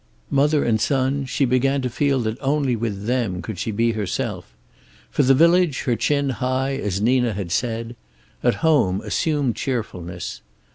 Mother and son, she began to feel that only with them could she be herself. For the village, her chin high as Nina had said. At home, assumed cheerfulness.